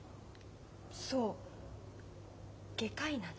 そう外科医なの。